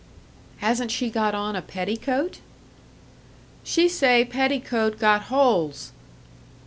"Hasn't she got on a petticoat?" "She say petticoat got holes!"